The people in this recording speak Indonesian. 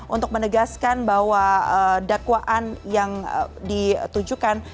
untuk menegaskan bahwa dakwaan yang ditujukan